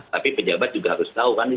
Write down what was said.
tapi pejabat juga harus tahu kan